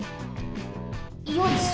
よいしょ。